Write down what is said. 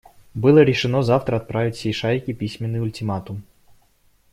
Было решено завтра отправить всей шайке письменный ультиматум.